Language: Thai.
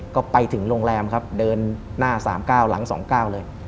ก็ไปถึงโรงแรมครับเดินหน้า๓๙หลัง๒๙เลย